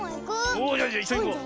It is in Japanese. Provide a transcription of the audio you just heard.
おおじゃいっしょにいこう。